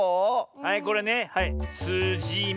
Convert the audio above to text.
はいこれねはいす・じ・み。